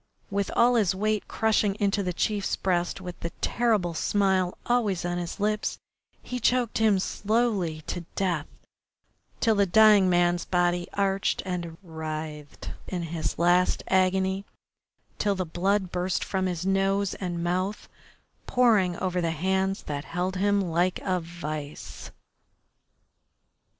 With all his weight crushing into the chief's breast, with the terrible smile always on his lips, he choked him slowly to death, till the dying man's body arched and writhed in his last agony, till the blood burst from his nose and mouth, pouring over the hands that held him like a vice.